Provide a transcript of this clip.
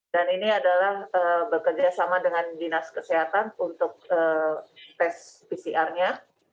dan ini adalah bekerja sama dengan dinas kesehatan untuk tes pcr nya